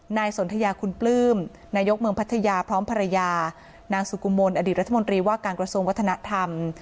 นายสนทยาคุณปลื้มนายกเมืองพัทยาพร้อมภรรยานางสุกุมลอดีตรัฐมนตรีว่าการกระทรวงวัฒนธรรม